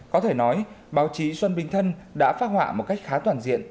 có thể nói báo chí xuân binh thân đã phát họa một cách khá toàn diện